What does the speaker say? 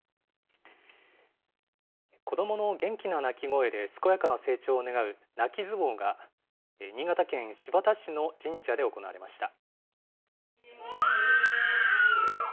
子どもの元気な泣き声で健やかな成長を願う泣き相撲が、新潟県新発田市の神社で行われました。